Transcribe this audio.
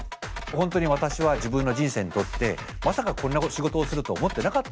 本当に私は自分の人生にとってまさかこんな仕事をすると思ってなかったんですね。